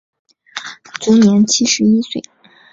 卒年七十一岁。